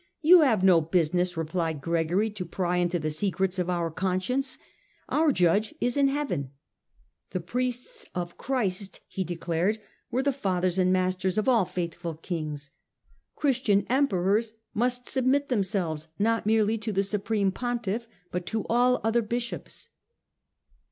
" You have no business," replied Gregory, " to pry into the secrets of our conscience ; our Judge is in Heaven." The priests of Christ, he declared, were the fathers and masters of all faithful Kings. Christian Emperors must submit themselves not merely to the supreme Pontiff, but to all other Bishops.